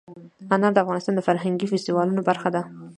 انار د افغانستان د فرهنګي فستیوالونو برخه ده.